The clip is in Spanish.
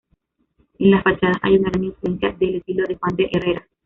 En las fachadas hay una gran influencia del estilo de Juan de Herrera.